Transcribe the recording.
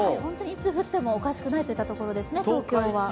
いつ降ってもおかしくないといった様子ですね、東京は。